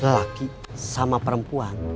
laki sama perempuan